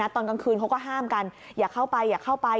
ตอนกลางคืนเขาก็ห้ามกันอย่าเข้าไปอย่าเข้าไป